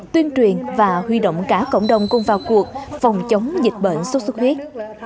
tuyên truyền và huy động cả cộng đồng cùng vào cuộc phòng chống dịch bệnh suốt suốt huyết